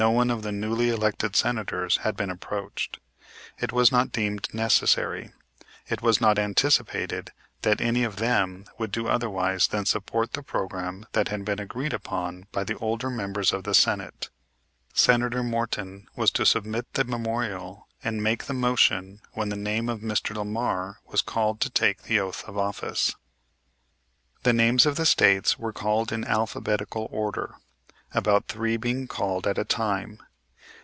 No one of the newly elected Senators had been approached. It was not deemed necessary. It was not anticipated that any one of them would do otherwise than support the program that had been agreed upon by the older members of the Senate. Senator Morton was to submit the memorial and make the motion when the name of Mr. Lamar was called to take the oath of office. The names of the States were called in alphabetical order, about three being called at a time.